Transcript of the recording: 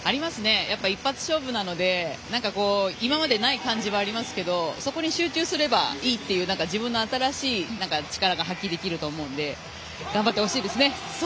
一発勝負なので今までにない感じもありますがそこに集中すればいいという自分の新しい力が発揮できると思いますので頑張ってほしいですね。